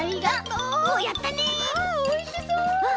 うわおいしそう！